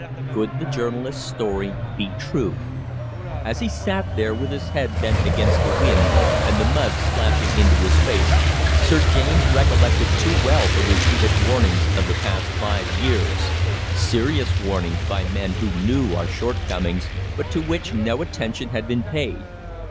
Could the journalist's story be true? As he sat there, with his head bent against the wind and the mud splashing into his face, Sir James recollected too well the repeated warnings of the past five years, serious warnings by men who knew our shortcomings, but to which no attention had been paid.